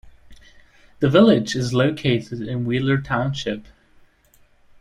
The village is located in Wheeler Township.